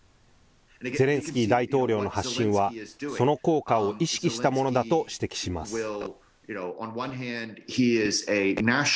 ゼレンスキー大統領の発信はその効果を意識したものだと指摘します。